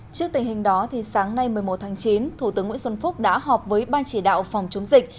trước tình hình đó sáng nay một mươi một tháng chín thủ tướng nguyễn xuân phúc đã họp với ban chỉ đạo phòng chống dịch